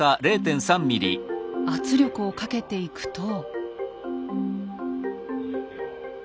圧力をかけていくと。